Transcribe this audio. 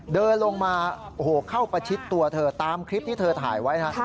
เดินลงมาโอ้โหเข้าประชิดตัวเธอตามคลิปที่เธอถ่ายไว้นะฮะ